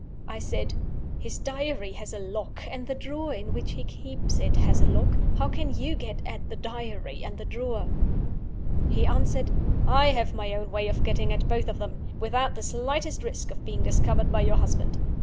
"I said, 'His Diary has a lock; and the drawer in which he keeps it has a lock. How can you get at the Diary and the drawer?' "He answered, 'I have my own way of getting at both of them, without the slightest risk of being discovered by your husband.